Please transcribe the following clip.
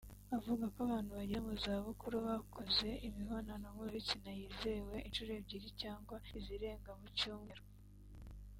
avuga ko abantu bageze mu za bukuru bakoze imibonano mpuzabitsina yizewe inshuro ebyiri cyangwa izirenga mu cyumweru